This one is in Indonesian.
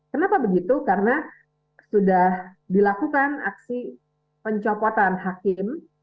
kenapa begitu karena sudah dilakukan aksi pencopotan hakim